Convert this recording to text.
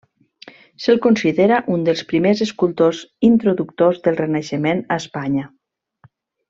Se'l considera un dels primers escultors introductors del renaixement a Espanya.